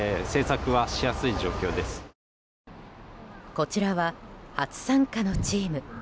こちらは初参加のチーム。